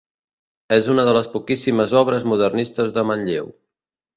És una de les poquíssimes obres modernistes de Manlleu.